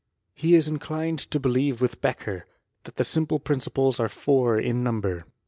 He is inclined to believe with Beccber. that the simple principles are four in number.